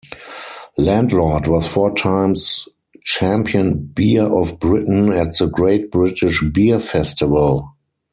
Landlord was four times Champion Beer of Britain at the 'Great British Beer Festival'.